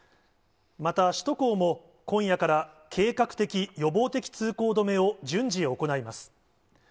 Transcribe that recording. また、首都高も、今夜から計画的・予防的通行止めを順次行います。